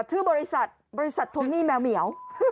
ชื่อบริษัทบริษัททวงหนี้แมวเหมียว